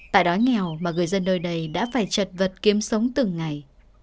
tại đói nghèo mà người dân nơi đây đã phải chật vật kiếm sống từng ngày